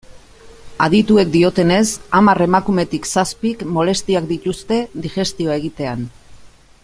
Adituek diotenez, hamar emakumetik zazpik molestiak dituzte digestioa egitean.